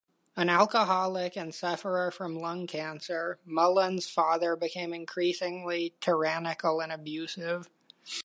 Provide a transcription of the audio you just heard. An alcoholic and sufferer from lung cancer, Mullan's father became increasingly tyrannical and abusive.